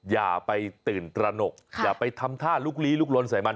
อย่าไปตื่นตระหนกอย่าไปทำท่าลุกลี้ลุกลนใส่มัน